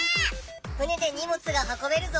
船でにもつが運べるぞ！